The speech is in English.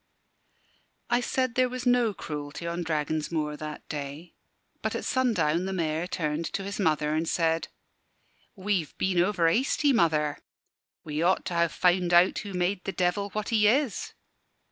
I said there was no cruelty on Dragon's Moor that day. But at sundown the Mayor turned to his mother and said "We've been over hasty, mother. We ought to ha' found out who made the Devil what he is."